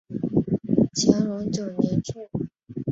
乾隆九年卒。